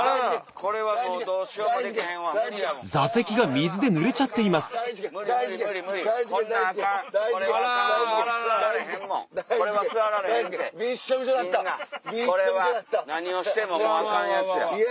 これは何をしてももうアカンやつや。